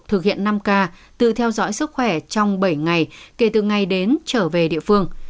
thực hiện năm k từ theo dõi sức khỏe trong bảy ngày kể từ ngày đến trở về địa phương